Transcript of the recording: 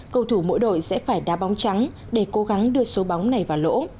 cầu thủ mỗi đội sẽ phải đa bóng trắng để cố gắng đưa số bóng này vào lỗ